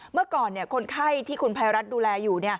เมื่อก่อนคนไข้ที่คุณภัยรัฐดูแลอยู่